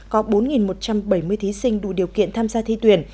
có bốn một trăm bảy mươi thí sinh đủ điều kiện tham gia thi tuyển